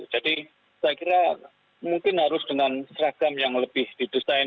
jadi saya kira mungkin harus dengan seragam yang lebih didesain